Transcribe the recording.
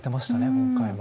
今回も。